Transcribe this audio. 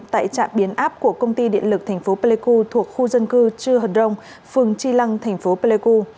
tại trạm biến áp của công ty điện lực tp plq thuộc khu dân cư chư hật rồng phường tri lăng tp plq